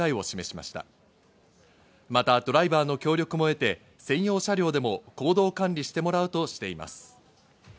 またドライバーの協力も得て、専用車両でも行動管理してもらうとしています。